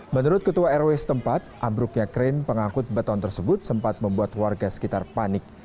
menurut ketua rw setempat ambruknya krain pengangkut beton tersebut sempat membuat warga sekitar panik